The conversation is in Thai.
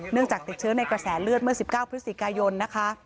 จากติดเชื้อในกระแสเลือดเมื่อ๑๙พฤศจิกายนนะคะ